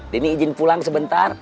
denny izin pulang sebentar